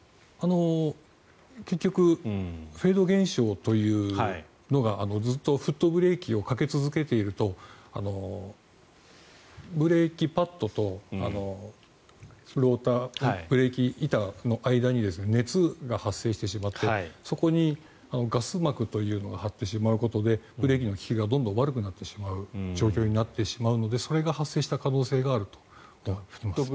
結局フェード現象というのがずっとフットブレーキをかけ続けているとブレーキパッドとローター、ブレーキの板の間に熱が発生してしまってそこにガス膜というのが張ってしまうことでブレーキの利きがどんどん悪くなってしまう状況になるのでそれが発生した可能性があると思います。